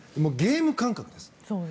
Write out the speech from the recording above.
ゲーム感覚です。